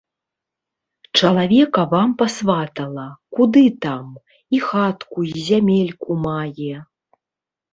Чалавека вам пасватала, куды там, і хатку і зямельку мае.